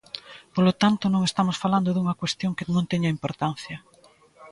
Polo tanto, non estamos falando dunha cuestión que non teña importancia.